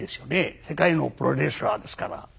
世界のプロレスラーですから。